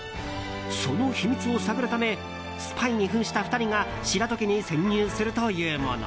その秘密を探るためスパイに扮した２人が白戸家に潜入するというもの。